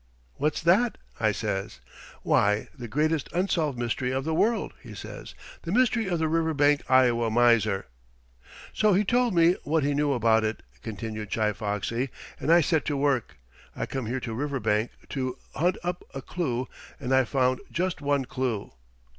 "'What's that?' I says. "'Why, the greatest unsolved mystery of the world,' he says. 'The mystery of the Riverbank, Iowa, miser.' "So he told me what he knew about it," continued Chi Foxy, "and I set to work. I come here to Riverbank to hunt up a clue, and I found just one clue."